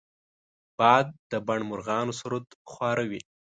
باد د بڼ مرغانو سرود خواره وي